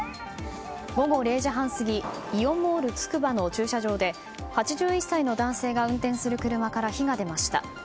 午後０時半過ぎイオンモールつくばの駐車場で８１歳の男性が運転する車から火が出ました。